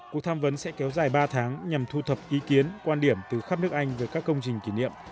cuộc tham vấn sẽ kéo dài ba tháng nhằm thu thập ý kiến quan điểm từ khắp nước anh về các công trình kỷ niệm